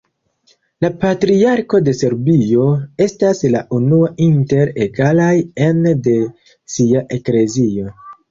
La Patriarko de Serbio estas la unua inter egalaj ene de sia eklezio.